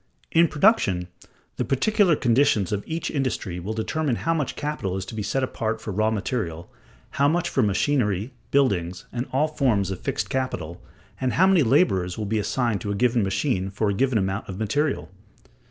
In production, the particular conditions of each industry will determine how much capital is to be set apart for raw material, how much for machinery, buildings, and all forms of fixed capital, and how many laborers will be assigned to a given machine for a given amount of material.